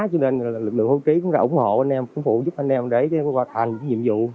cho nên lực lượng hưu trí cũng là ủng hộ anh em phụ giúp anh em để hoàn thành nhiệm vụ